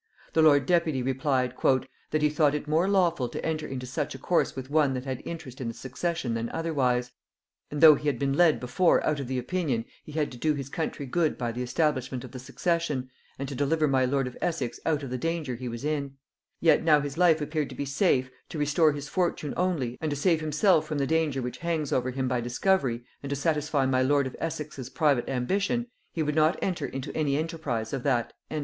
The lord deputy replied, "that he thought it more lawful to enter into such a course with one that had interest in the succession than otherwise; and though he had been led before out of the opinion he had to do his country good by the establishment of the succession, and to deliver my lord of Essex out of the danger he was in; yet now his life appeared to be safe, to restore his fortune only, and to save himself from the danger which hangs over him by discovery, and to satisfy my lord of Essex's private ambition, he would not enter into any enterprise of that" kind.